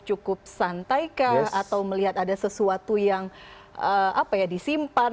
cukup santaikah atau melihat ada sesuatu yang disimpan